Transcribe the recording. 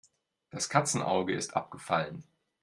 Das Katzenauge ist abgefallen.